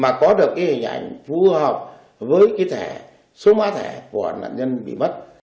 mà có được cái hình ảnh phù hợp với số mã thẻ của nạn nhân bị mất